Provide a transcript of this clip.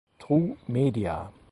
Tru Media